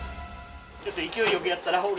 ちょっと勢いよくやったら折